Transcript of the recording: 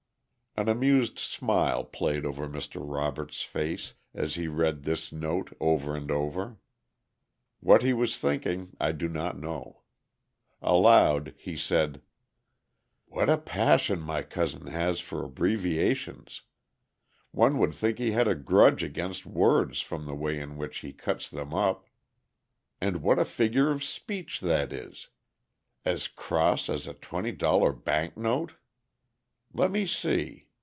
An amused smile played over Mr. Robert's face as he read this note over and over. What he was thinking I do not know. Aloud he said: "What a passion my cousin has for abbreviations! One would think he had a grudge against words from the way in which he cuts them up. And what a figure of speech that is! 'As cross as a twenty dollar bank note!' Let me see.